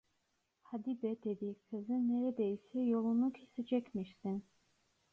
"Hadi be" dedi, "kızın neredeyse yolunu kesecekmişsin!".